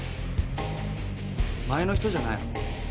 前の人じゃないの？